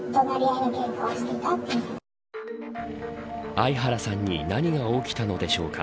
アイハラさんに何が起きたのでしょうか。